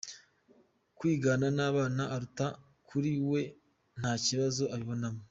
Kwigana n’abana aruta kuri we nta kibazo abibonamo.